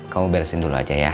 kamu beresin dulu aja ya